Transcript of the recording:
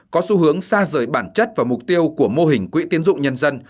có xu hướng xa rời bản chất và mục tiêu của mô hình quỹ tiến dụng nhân dân